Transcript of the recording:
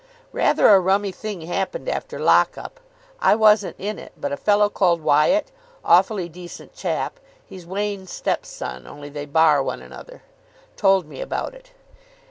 "Rather a rummy thing happened after lock up. I wasn't in it, but a fellow called Wyatt (awfully decent chap. He's Wain's step son, only they bar one another) told me about it.